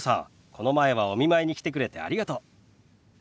この前はお見舞いに来てくれてありがとう。